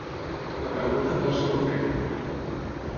La parauleta fa el seu efecte.